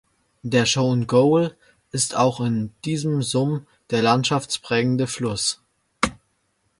Der Chowd Gol ist auch in diesem Sum der landschaftsprägende Fluss.